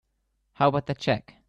How about that check?